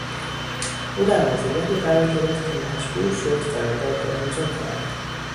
او در موقعیتی قرار گرفت که مجبور شد قرارداد را امضا کند.